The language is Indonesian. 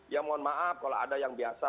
ya mohon maaf kalau ada yang biasa